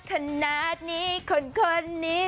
ขนาดนี้คนนี้